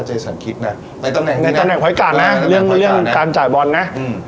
ในตำแหน่งนี้นะในตำแหน่งไฟคาร์ดน่ะเรื่องเรื่องการจ่ายบอลน่ะอืม